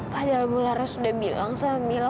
padahal bu lara sudah bilang sama mila